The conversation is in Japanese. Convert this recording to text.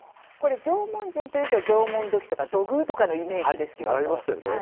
縄文人というと縄文土器とか土偶とかの習いましたよね。